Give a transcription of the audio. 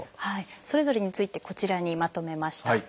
それぞれについてこちらにまとめました。